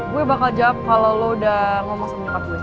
gue bakal jawab kalau lu udah ngomong sama nyokap gue